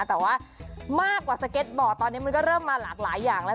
แต่ว่ามากกว่าสเก็ตบอร์ดตอนนี้มันก็เริ่มมาหลากหลายอย่างแล้ว